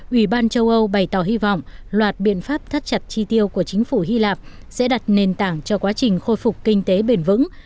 ủy ban châu âu bày tỏ hy vọng loạt biện pháp thắt chặt chi tiêu của chính phủ hy lạp sẽ đặt nền tảng cho quá trình khôi phục kinh tế bền vững